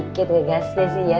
sedikit ngekas aja sih ya